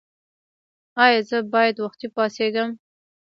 ایا زه باید وختي پاڅیږم؟